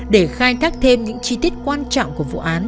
để khai thác thêm những chi tiết quan trọng của vụ án